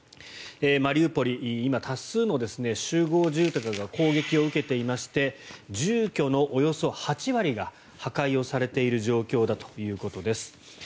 マリウポリ、今多数の集合住宅が攻撃を受けていまして住居のおよそ８割が破壊されている状況だということです。